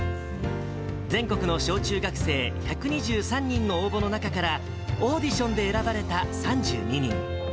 全国の小中学生１２３人の応募の中から、オーディションで選ばれた３２人。